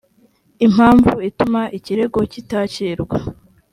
impamvu ituma ikirego kitakirwa